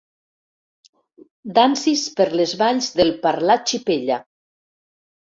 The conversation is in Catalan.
Dansis per les valls del parlar xipella.